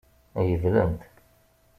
Gedlen-t.